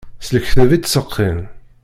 S lekdeb i ttseqqin.